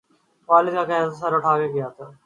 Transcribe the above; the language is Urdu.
والد کا ہاتھ سر سے اٹھ گیا